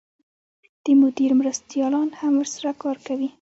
د مدیر مرستیالان هم ورسره کار کوي.